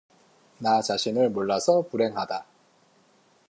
나 자신을 몰라서 불행하다